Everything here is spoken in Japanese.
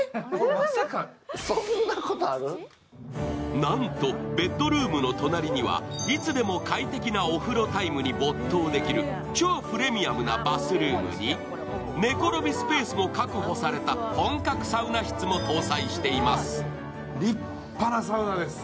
なんと、ベッドルームの隣にはいつでも快適なお風呂タイムに没頭できる超プレミアムなバスルームに、寝ころびスペースも確保された本格サウナ室も搭載されています。